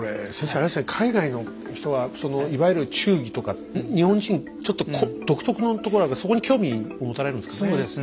あれですね海外の人はいわゆる忠義とか日本人ちょっと独特のところあるからそこに興味持たれるんですかね。